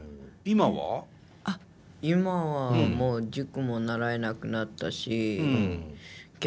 今はもう塾も習えなくなったし剣道もだし。